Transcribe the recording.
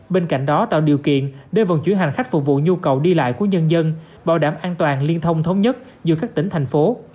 bên cạnh đó tạo điều kiện để vận chuyển hành khách phục vụ nhu cầu đi lại của nhân dân bảo đảm an toàn liên thông thống nhất giữa các tỉnh thành phố